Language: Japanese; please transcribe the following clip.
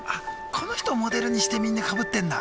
この人をモデルにしてみんなかぶってんだ。